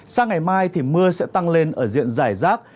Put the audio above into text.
sang ngày mai thì mưa sẽ tăng lên ở diện giải rác